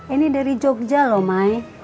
ini dari jogja lho mai